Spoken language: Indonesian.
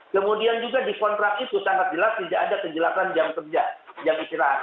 kemudian juga di kontrak itu sangat jelas tidak ada kejelasan jam kerja jam istirahat